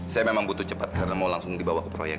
saya memang butuh cepat karena mau langsung dibawa ke proyek